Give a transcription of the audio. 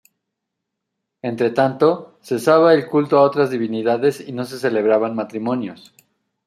Entretanto, cesaba el culto a otras divinidades y no se celebraban matrimonios.